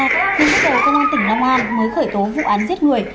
công an tỉnh long an mới khởi tố vụ án giết người